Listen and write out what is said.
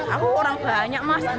aku orang banyak mas